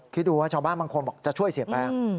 คิดดูว่าชาวบ้านบางคนบอกจะช่วยเสียแป้ง